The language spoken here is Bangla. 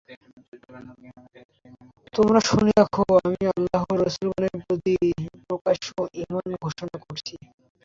তোমরা শুনে রাখ, আমি আল্লাহর রাসূলগণের প্রতি প্রকাশ্য ঈমান ঘোষণা করছি।